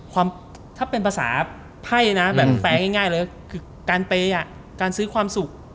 ถ้าเป็นภาษาไพ่นะแบบแปลง่ายเลยคือการเปย์การซื้อความสุข